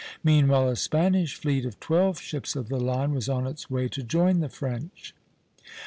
Meanwhile a Spanish fleet of twelve ships of the line was on its way to join the French.